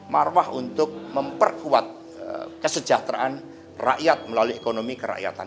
marwah untuk memperkuat kesejahteraan rakyat melalui ekonomi kerakyatan